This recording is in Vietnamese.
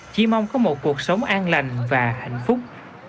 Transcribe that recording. chỉ mong có một cuộc sống an lành và hạnh phúc